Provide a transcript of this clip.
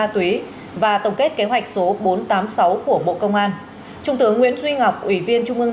túy và tổng kết kế hoạch số bốn trăm tám mươi sáu của bộ công an trung tướng nguyễn duy ngọc ủy viên trung ương